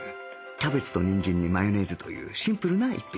キャベツとにんじんにマヨネーズというシンプルな一品